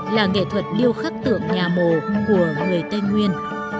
là nghệ thuật điêu khắc tượng nhà mồ của người tây nguyên